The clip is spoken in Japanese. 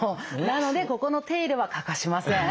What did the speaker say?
なのでここの手入れは欠かしません。